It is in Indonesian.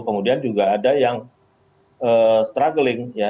kemudian juga ada yang struggling ya